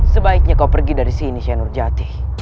sebaiknya kau pergi dari sini senurjati